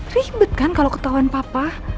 ribet kan kalo ketauan papa